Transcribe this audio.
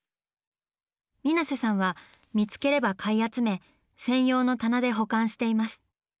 水瀬さんは見つければ買い集め専用の棚で保管しています。